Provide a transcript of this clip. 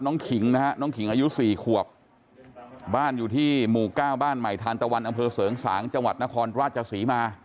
น้องขิงนะครับน้องขิงอายุ๔ขวบ